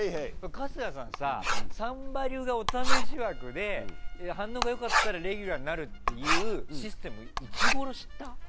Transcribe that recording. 春日さんさ、「サンバリュ」がお試し枠で反応が良かったらレギュラーになるっていうシステム、いつごろ知った？